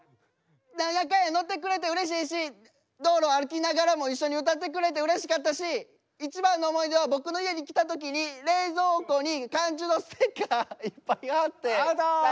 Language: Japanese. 何やかんや乗ってくれてうれしいし道路歩きながらも一緒に歌ってくれてうれしかったし一番の思い出は僕の家に来た時に冷蔵庫に関ジュのステッカーいっぱい貼って。